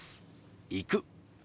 「行く」。